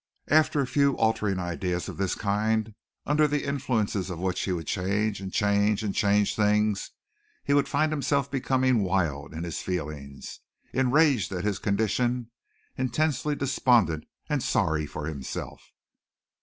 After a few altering ideas of this kind, under the influences of which he would change and change and change things, he would find himself becoming wild in his feelings, enraged at his condition, intensely despondent and sorry for himself.